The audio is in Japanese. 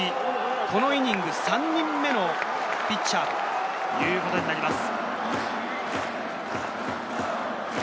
このイニング、３人目のピッチャー。ということになります。